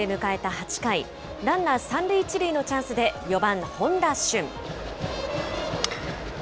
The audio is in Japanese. ８回、ランナー３塁１塁のチャンスで、４番本多駿。